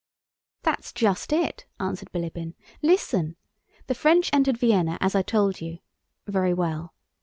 "That's just it," answered Bilíbin. "Listen! The French entered Vienna as I told you. Very well.